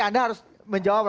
anda harus menjawab